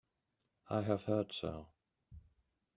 I have heard so.